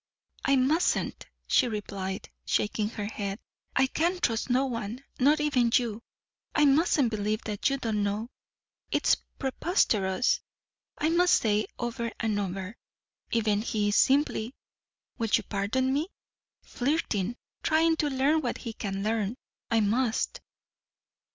"I mustn't," she replied, shaking her head. "I can trust no one not even you. I mustn't believe that you don't know it's preposterous. I must say over and over even he is simply will you pardon me flirting, trying to learn what he can learn. I must."